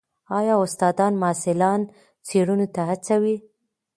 ایا استادان محصلان څېړنو ته هڅوي؟